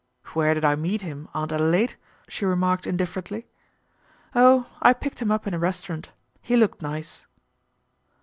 " Where did I meet him, Aunt Adelaide ?" she remarked indifferently. " Oh ! I picked him up in a restaurant ; he looked nice."